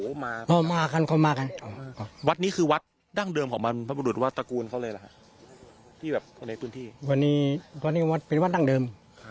เข้ามาง่ากันเขาก็มากันแล้วก่อนนี้คือวัดดั้งเดิมของมันประบูรุษวัดตระกูลเขาเลยละที่แบบฝรกิพื้นที่พี่ผู้นี้ก็เนี่ยว่าติดว่าตั้งเดิม